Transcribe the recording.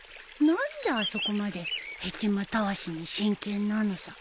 何であそこまでヘチマたわしに真剣なのさ。